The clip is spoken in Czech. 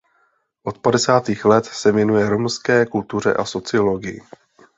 Od padesátých let se věnuje romské kultuře a sociologii.